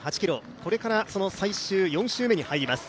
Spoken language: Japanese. これからその最終４周目に入ります。